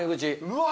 うわ。